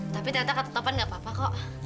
tapi ternyata kata topan gak apa apa kok